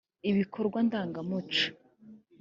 ibikorwa ndangamuco